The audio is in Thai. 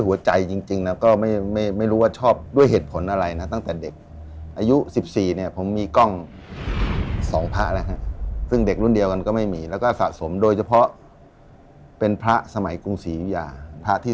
ราศาสนพระเครื่องจูงจะได้เลี้ยงเกี่ยวกับสะสมพระเครื่องมาใน๑๙๕๐ปี